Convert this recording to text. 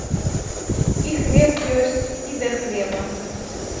І хлеб ёсць, і да хлеба.